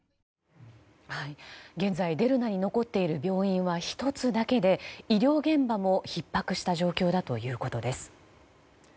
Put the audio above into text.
現在、デルナに残っている病院は１つだけで医療現場もひっ迫した状況だということです。